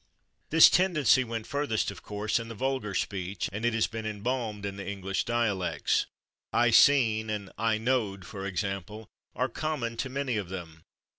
This tendency went furthest, of course, in the vulgar speech, and it has been embalmed in the English dialects. /I seen/ and /I knowed/, for example, are common to many of them.